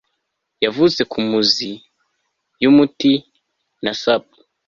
yavutse kumuzi yumuti na sap